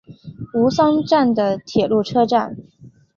吾桑站的铁路车站。